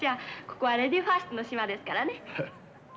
ここはレディーファーストの島ですからね。